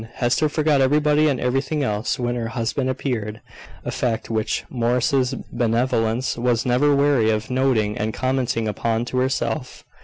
Hester forgot everybody and everything else when her husband appeared a fact which Morris's benevolence was never weary of noting and commenting upon to herself.